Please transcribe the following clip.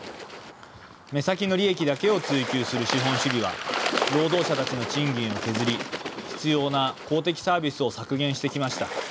目先の利益だけを追求する資本主義は労働者たちの賃金を削り必要な公的サービスを削減してきました。